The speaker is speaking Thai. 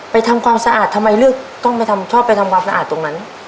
ทำความสะอาดทำไมเลือกต้องชอบไปทำความสะอาดตรงนั้น